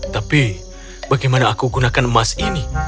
tapi bagaimana aku gunakan emas ini